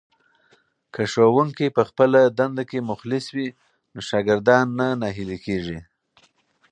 که ښوونکی په خپله دنده کې مخلص وي نو شاګردان نه ناهیلي کېږي.